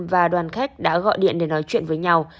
và đoàn khách đã gọi điện để nói chuyện với nhau